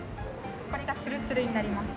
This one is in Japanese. これがツルツルになります。